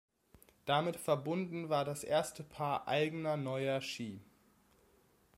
Damit verbunden war das erste Paar eigener neuer Ski.